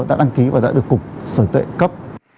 đã đăng ký và đã được cục sở tệ cấp